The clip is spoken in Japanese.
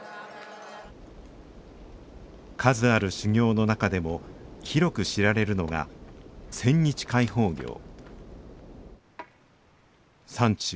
数ある修行の中でも広く知られるのが山中